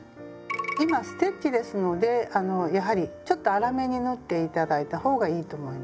今ステッチですのでやはりちょっと粗めに縫って頂いた方がいいと思います。